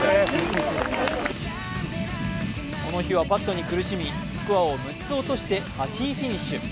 この日はパットに苦しみスコアを６つ落として８位フィニッシュ。